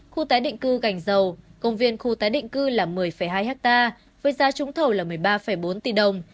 khu tái định cư gành dầu công viên khu tái định cư là một mươi hai ha với giá trúng thầu là một mươi ba bốn tỷ đồng